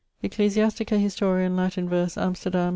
Ecclesiastica Historia in Latin verse, Amsterdam.